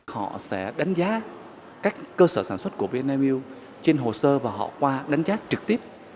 họ sẽ đánh giá các cơ sở sản xuất của vinamilk trên hồ sơ và họ qua đánh giá trực tiếp